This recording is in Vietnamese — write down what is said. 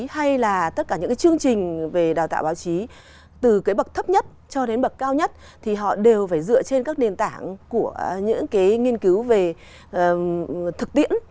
hay là tất cả những cái chương trình về đào tạo báo chí từ cái bậc thấp nhất cho đến bậc cao nhất thì họ đều phải dựa trên các nền tảng của những cái nghiên cứu về thực tiễn